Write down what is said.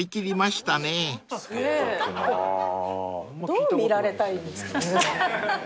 どう見られたいんですか。